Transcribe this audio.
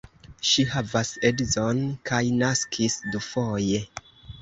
Ŝi havas edzon kaj naskis dufoje.